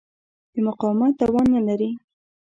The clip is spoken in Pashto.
د مقاومت توان نه لري.